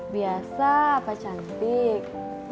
biasa apa cantik